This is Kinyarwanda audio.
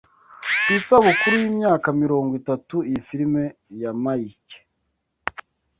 Ku isabukuru yimyaka mirongo itatu iyi filime ya Mayike